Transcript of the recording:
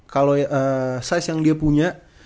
kalau size yang dia punya